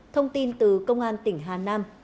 thông tin từ công an tỉnh hà nam